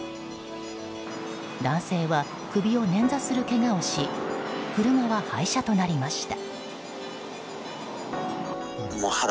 男性は首をねんざするけがをし車は廃車となりました。